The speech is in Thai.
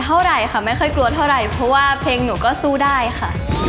อ่าเชิญเลยนะคะแล้วขอเชิญน้องเซนะคะ